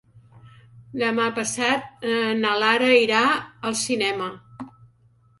Demà passat na Lara irà al cinema.